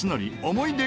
思い出